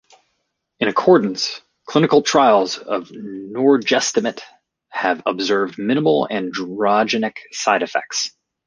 In accordance, clinical trials of norgestimate have observed minimal androgenic side effects.